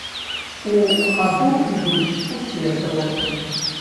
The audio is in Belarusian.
У хаду ідуць усе сродкі.